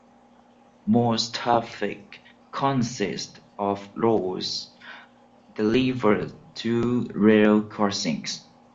Most traffic consisted of loads delivered to rail crossings.